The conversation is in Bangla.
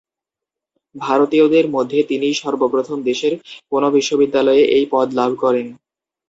ভারতীয়দের মধ্যে তিনিই সর্বপ্রথম দেশের কোন বিশ্ববিদ্যালয়ে এই পদ লাভ করেন।